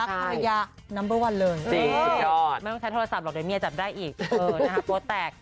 หมดยุคแล้วหมดยุคแล้ว